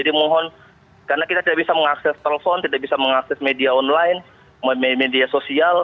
jadi mohon karena kita tidak bisa mengakses telepon tidak bisa mengakses media online media sosial